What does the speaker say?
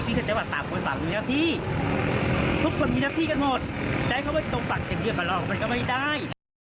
พี่ข้าจะตามคนศักดิ์มีทัพที่ทุกคนมีทัพที่กันหมดแต่ให้เขาไปตรงศักดิ์เองเดียวกับเรามันก็ไม่ได้